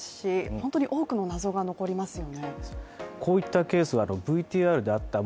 本当に多くの謎が残りますよね。